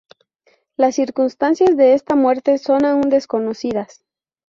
Las circunstancias de esa muerte son aún desconocidas.